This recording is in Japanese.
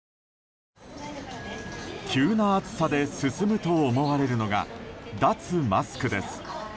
急な暑さで進むと思われるのが脱マスクです。